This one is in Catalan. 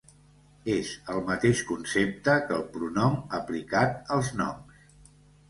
És el mateix concepte que el pronom aplicat als noms.